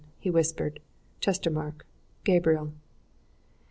he whispered. "Chestermarke! Gabriel!"